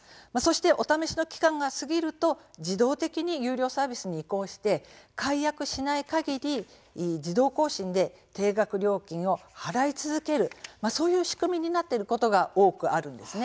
お試しの期間が過ぎると自動的に有料サービスに移行して解約しないかぎり自動更新で定額料金を払い続けるそういう仕組みになっていることが多くあります。